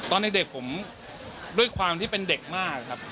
ตอนเด็กผมด้วยความที่เป็นเด็กมากครับ